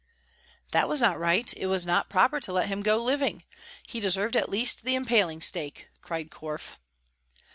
"That was not right; it was not proper to let him go living, he deserved at least the impaling stake," cried Korf.